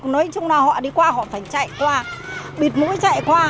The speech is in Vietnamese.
nói chung là họ đi qua họ phải chạy qua bịt mũi chạy qua